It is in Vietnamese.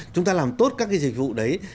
chúng ta làm tốt các cái dịch vụ đấy